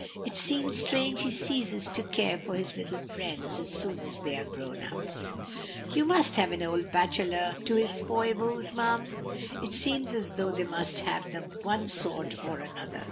It seems strange he ceases to care for his little friends as soon as they are grown up." "You must leave an old bachelor to his foibles, mum. It seems as though they must have them of one sort or another.